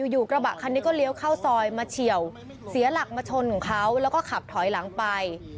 อยู่กระบะคันนี้ก็เลี้ยวเข้าซอยมาเฉียวเสียหลักมาชนของเขาแล้วก็ขับถอยหลังไป